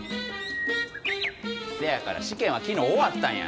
せやから試験は昨日終わったんや。